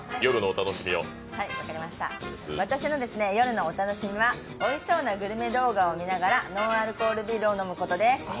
私の夜のお楽しみは、おいしそうなグルメ動画を見ながらノンアルコールビールを飲むことです。